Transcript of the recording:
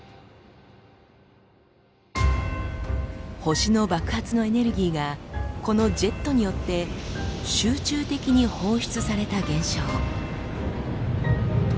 星の爆発のエネルギーがこのジェットによって集中的に放出された現象。